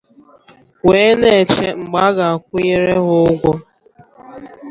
wee na-eche mgbe a ga-akwụnyere ha ụgwọ.